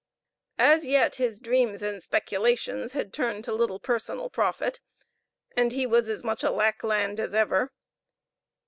As yet his dreams and speculations had turned to little personal profit; and he was as much a lackland as ever.